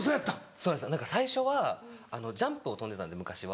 そうなんですよ最初はジャンプを跳んでたんで昔は。